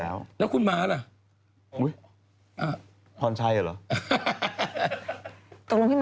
อันนี้ถึงพิมพ์ผิดชื่อพรไชยใช่ไหม